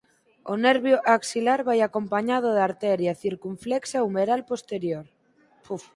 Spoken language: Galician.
O nervio axilar vai acompañado da arteria circunflexa umeral posterior.